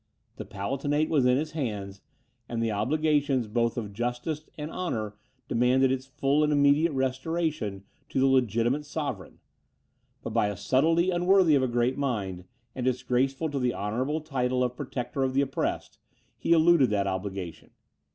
The Palatinate was in his hands, and the obligations both of justice and honour demanded its full and immediate restoration to the legitimate sovereign. But, by a subtlety unworthy of a great mind, and disgraceful to the honourable title of protector of the oppressed, he eluded that obligation.